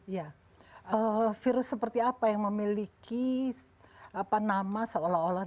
ya virus seperti apa yang memiliki nama seolah olah